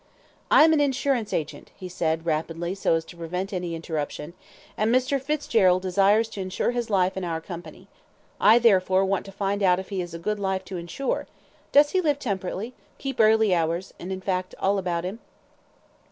"I am an insurance agent," he said, rapidly, so as to prevent any interruption, "and Mr. Fitzgerald desires to insure his life in our company. I, therefore, want to find out if he is a good life to insure; does he live temperately? keep early hours? and, in fact, all about him?"